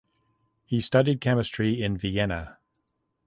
He studied chemistry in Vienna.